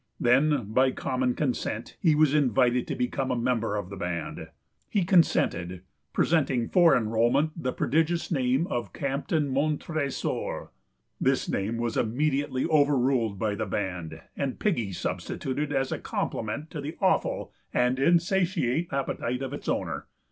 Then, by common consent, he was invited to become a member of the band. He consented, presenting for enrollment the prodigious name of "Captain Montressor." This name was immediately overruled by the band, and "Piggy" substituted as a compliment to the awful and insatiate appetite of its owner.